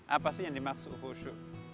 apa sih yang dimaksud khusyuk